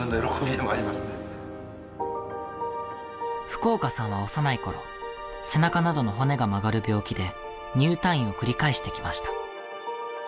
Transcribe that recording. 福岡さんは幼い頃背中などの骨が曲がる病気で入退院を繰り返してきました。